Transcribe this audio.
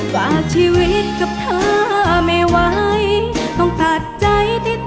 ฝากชีวิตกับเธอไม่ไหวต้องตัดใจติด